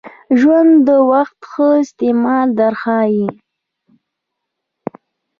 ژوند د وخت ښه استعمال در ښایي .